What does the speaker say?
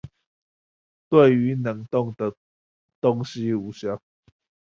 對於冷凍的東西無效